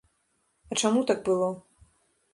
А чаму так было?